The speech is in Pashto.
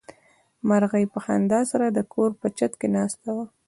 مرغۍ په خندا سره د کور په چت کې ناسته وه.